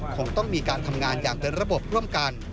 คงต้องมีการทำงานอย่างเป็นระบบร่วมกัน